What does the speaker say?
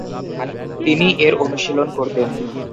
তিনি এর অনুশীলন করতেন।